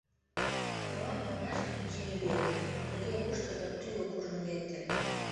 Молан манаш гын кузе йӱӧ — туге рушто да тӱгӧ куржын лекте.